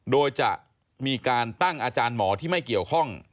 โดยจะมีการตั้งอาจารย์หมอที่ไม่เกี่ยวข้อง